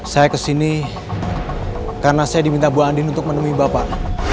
saya kesini karena saya diminta bu andin untuk menemui bapak